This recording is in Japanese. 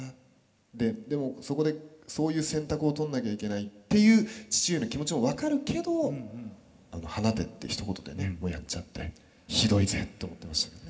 ででもそこでそういう選択をとんなきゃいけないっていう父上の気持ちも分かるけどあの「放て」ってひと言でねやっちゃってひどいぜって思ってましたね。